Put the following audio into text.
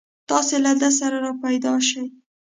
تاسې له ده سره راپیدا شئ.